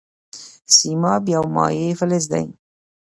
سیماب یو مایع فلز دی.